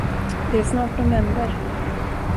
Det är snart november.